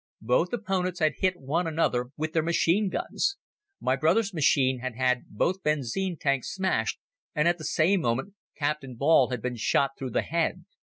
Both opponents had hit one another with their machine guns. My brother's machine had had both benzine tanks smashed and at the same moment Captain Ball had been shot through the head.